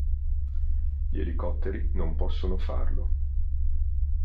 Gli elicotteri non possono farlo.